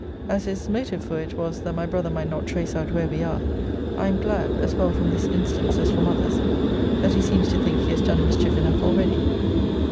As his motive for it was, that my brother might not trace out where we are, I am glad, as well from this instance as from others, that he seems to think he has done mischief enough already.